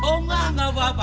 oh enggak enggak apa apa